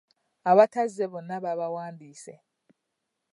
Abatazze bonna baabawandiise.